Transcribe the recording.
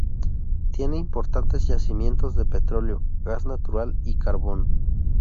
Tiene importantes yacimientos de petróleo, gas natural y carbón.